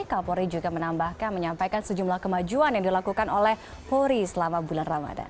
kapolri juga menambahkan menyampaikan sejumlah kemajuan yang dilakukan oleh polri selama bulan ramadan